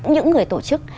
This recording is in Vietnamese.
những người tổ chức